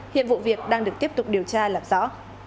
hiện vụ việc đang được tiếp tục điều tra làm rõ